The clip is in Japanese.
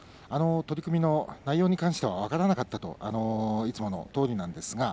取組の内容に関しては分からなかったといつものとおりの答え方。